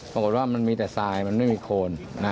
ปรากฏว่ามันมีแต่ทรายมันไม่มีโคน